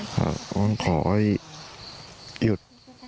มันขอให้หยุด